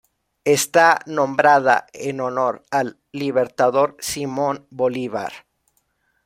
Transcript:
Está nombrada en honor al libertador Simón Bolívar.